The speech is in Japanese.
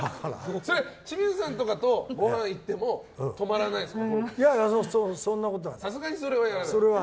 清水さんとかと、ごはん行っても止まらないんですか。